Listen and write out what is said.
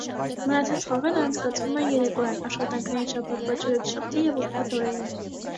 Մնացած խաղերը անցկացվում են երեկոյան՝ աշխատանքային շաբաթվա չորեքշաբթի և ուրբաթ օրերին։